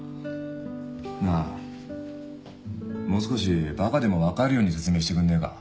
なあもう少しバカでも分かるように説明してくんねえか？